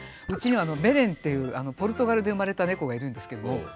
うちにはベレンっていうポルトガルで生まれた猫がいるんですけども。